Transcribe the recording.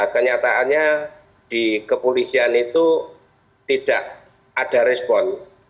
kenyataannya di kepolisian itu tidak ada respon